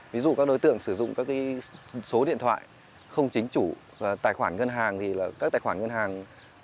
ví dụ các đối tượng sử dụng các số điện thoại không chính chủ tài khoản ngân hàng thì là các tài khoản ngân hàng